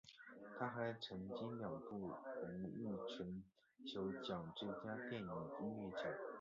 他还曾经两度荣膺金球奖最佳电影音乐奖。